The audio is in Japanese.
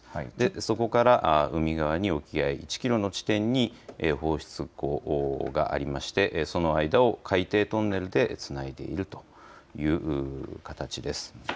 そこから海側に沖合１キロの地点に放出口がありましてその間を海底トンネルでつないでいるという形です。